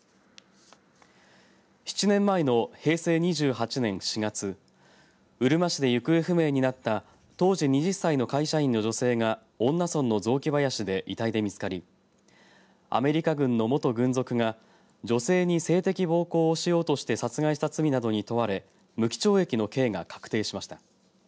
７年前の平成２８年４月うるま市で行方不明になった当時２０歳の会社員の女性が恩納村の雑木林で遺体で見つかりアメリカ軍の元軍属が女性に性的暴行をしようとして殺害した罪などに問われ無期懲役の刑が確定しました。